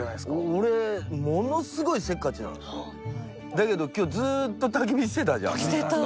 だけど今日ずっと焚き火してたじゃん。